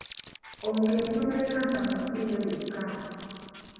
Omugenyi tomulekanga mu ddiro yekka.